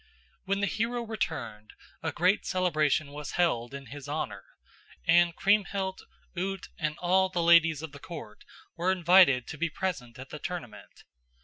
When the hero returned, a great celebration was held in his honor, and Kriemhild, Ute and all the ladies of the court were invited to be present at the tournament.